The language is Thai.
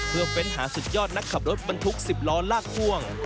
เพื่อเฟ้นหาสุดยอดนักขับรถบรรทุก๑๐ล้อลากพ่วง